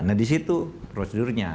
nah di situ prosedurnya